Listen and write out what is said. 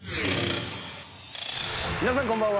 皆さんこんばんは。